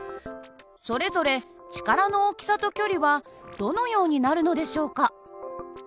それぞれ力の大きさと距離はどのようになるのでしょうか。